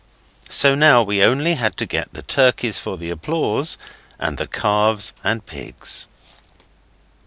So now we only had to get the turkeys for the applause and the calves and pigs.